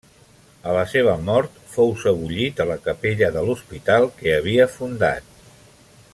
A la seva mort fou sebollit a la capella de l'hospital que havia fundat.